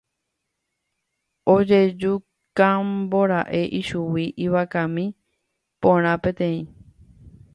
Ojejukámbora'e ichugui ivakami porã peteĩ.